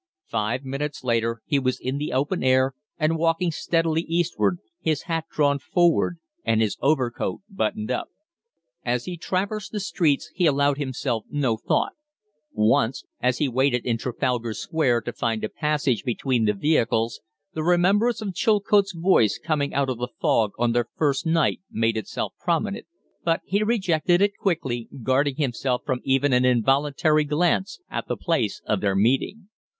Five minutes later he was in the open air and walking steadily eastward, his hat drawn forward and his overcoat buttoned up. As he traversed the streets he allowed himself no thought, Once, as he waited in Trafalgar Square to find a passage between the vehicles, the remembrance of Chilcote's voice coming out of the fog on their first night made itself prominent, but he rejected it quickly, guarding himself from even an involuntary glance at the place of their meeting.